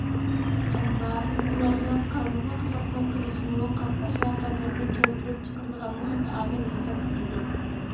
ئەمما، ئۇلارنىڭ قانۇنغا خىلاپلىق قىلىشىمۇ قاتناش ۋەقەلىرىنى كەلتۈرۈپ چىقىرىدىغان مۇھىم ئامىل ھېسابلىنىدۇ.